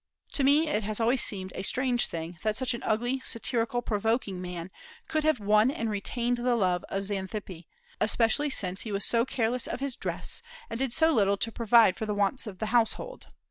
To me it has always seemed a strange thing that such an ugly, satirical, provoking man could have won and retained the love of Xanthippe, especially since he was so careless of his dress, and did so little to provide for the wants of the household.